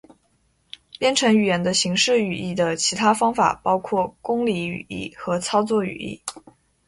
编程语言的形式语义的其他方法包括公理语义和操作语义。